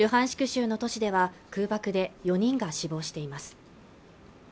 州の都市では空爆で４人が死亡しています